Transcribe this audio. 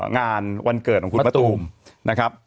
งานวันเกิดของคุณมะตูมนะครับ